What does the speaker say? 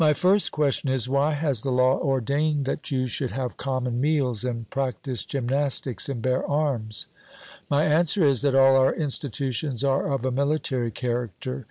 My first question is, Why has the law ordained that you should have common meals, and practise gymnastics, and bear arms? 'My answer is, that all our institutions are of a military character.